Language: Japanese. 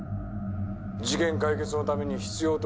「事件解決のために必要とあれば」